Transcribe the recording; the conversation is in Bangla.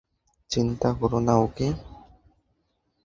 চিন্তা করোনা, ওকে?